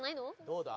どうだ？